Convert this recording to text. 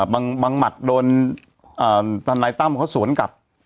บางหมัดก็โดนท่านนายตั้มเพราะเขาสวนกับ